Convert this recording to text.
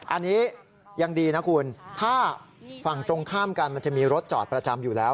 อันนี้ยังดีนะคุณถ้าฝั่งตรงข้ามกันมันจะมีรถจอดประจำอยู่แล้ว